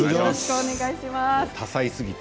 多才すぎて。